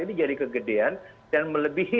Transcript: ini jadi kegedean dan melebihi